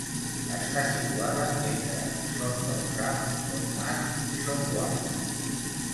Està situada entre Son Bauçà, Son Mas i Son Gual.